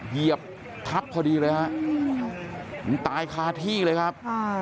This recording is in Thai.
เหยียบทับพอดีเลยฮะมันตายคาที่เลยครับ